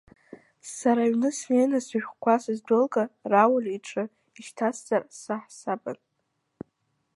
Сара аҩны снеины сышәҟәқәа сыздәылгар, Рауль иҿы ишьҭасҵарц саҳасабын.